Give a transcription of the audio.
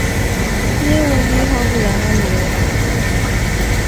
n'enweghị ihe ọbụla ha mere ya.